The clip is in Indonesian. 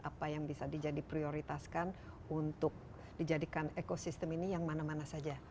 apa yang bisa dijadikan prioritaskan untuk dijadikan ekosistem ini yang mana mana saja